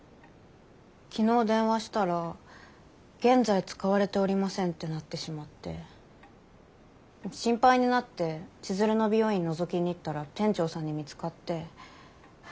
昨日電話したら「現在使われておりません」ってなってしまって心配になって千鶴の美容院のぞきに行ったら店長さんに見つかって。